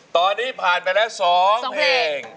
ตอนนี้ผ่านไปแล้ว๒เพลง